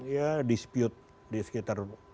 ya dispute di sekitar